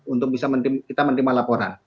untuk bisa kita menerima laporan